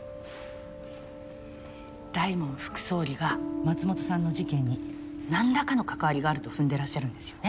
大門副総理が松本さんの事件に何らかの関わりがあると踏んでらっしゃるんですよね。